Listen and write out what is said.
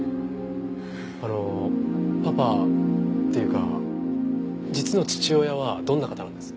あのパパっていうか実の父親はどんな方なんです？